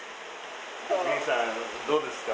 紅さんどうですか？